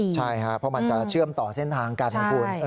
ใช่ค่ะเพราะมันจะเชื่อมต่อเส้นทางการผล